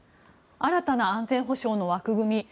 新たな安全保障の枠組み